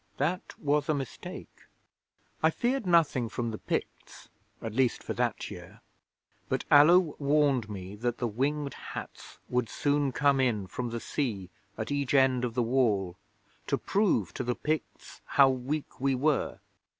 That was a mistake. 'I feared nothing from the Picts, at least for that year, but Allo warned me that the Winged Hats would soon come in from the sea at each end of the Wall to prove to the Picts how weak we were.